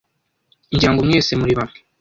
Ngira ngo mwese muri bamwe!